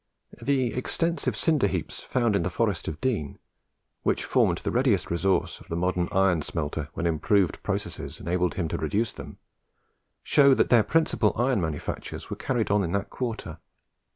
The extensive cinder heaps found in the Forest of Dean which formed the readiest resource of the modern iron smelter when improved processes enabled him to reduce them show that their principal iron manufactures were carried on in that quarter.